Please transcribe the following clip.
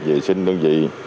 vệ sinh đơn vị